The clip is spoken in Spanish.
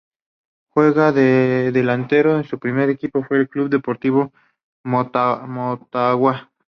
Juega de delantero, su primer equipo fue el Club Deportivo Motagua.